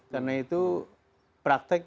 karena itu praktek